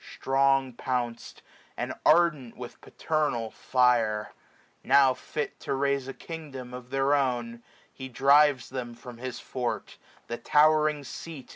Strong pounc'd, and ardent with paternal fire ; Now fit to raise a kingdom of thdr own, He drives them from his fort, the towering seat.